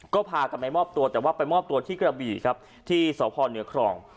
ก็พากันไปมอบตัวแต่ว่าไปมอบตัวที่กระบี่ครับที่สพเหนือครอง